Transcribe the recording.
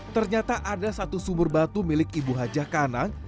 ternyata ada satu sumur batu milik ibu hajah kanang